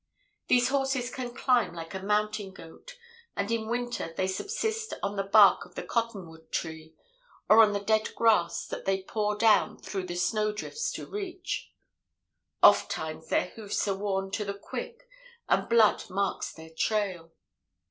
"These horses can climb like a mountain goat, and in winter they subsist on the bark of the cottonwood tree, or on the dead grass that they paw down through the snowdrifts to reach. Ofttimes their hoofs are worn to the quick, and blood marks their trail.